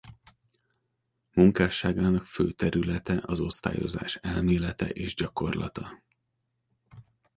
Munkásságának fő területe az osztályozás elmélete és gyakorlata.